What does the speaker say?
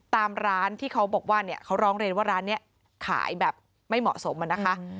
ตามร้านที่เขาบอกว่าเนี่ยเขาร้องเรียนว่าร้านนี้ขายแบบไม่เหมาะสมอะนะคะ